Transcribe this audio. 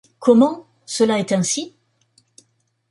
Comment ! cela est ainsi ?